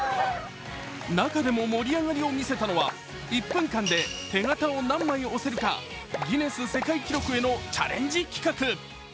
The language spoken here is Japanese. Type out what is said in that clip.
中でも盛り上がりを見せたのは１分間で手形を何枚押せるかギネス世界記録へのチャレンジ企画。